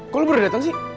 kok lo baru dateng sih